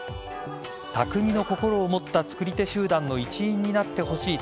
匠の心を持った作り手集団の一員になってほしい。